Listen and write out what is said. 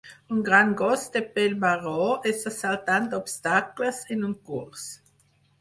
Un gran gos de pèl marró està saltant obstacles en un curs.